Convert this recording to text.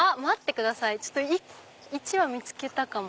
あっ１羽見つけたかも。